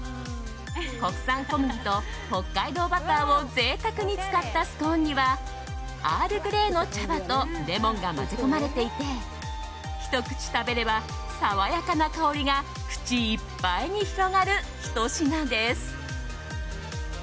国産小麦と北海道バターを贅沢に使ったスコーンにはアールグレイの茶葉とレモンが混ぜ込まれていてひと口食べれば、爽やかな香りが口いっぱいに広がるひと品です。